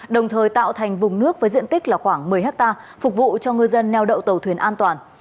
đồng thời tạo thành vùng nước với diện tích khoảng một mươi ha phục vụ cho người dân neo đậu tàu thuyền an toàn